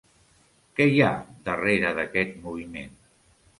Qui hi ha darrere d'aquest moviment?